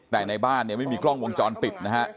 แต่ในบ้านเนี่ยไม่มีกล้องวงจรปิดนะฮะ